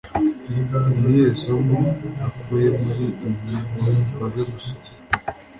ni irihe somo nakuye muri iyi nkuru maze gusoma